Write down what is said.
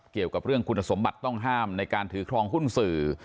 เกี่ยวกับเรื่องคุณสมบัติต้องห้ามในการถือครองหุ้นสื่อ